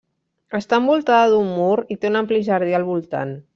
Està envoltada d'un mur i té un ampli jardí al voltant.